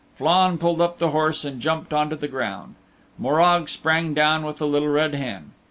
Flann pulled up the horse and jumped on to the ground. Morag sprang down with the Little Red Hen.